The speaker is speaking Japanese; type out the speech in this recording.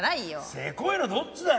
せこいのはどっちだよ。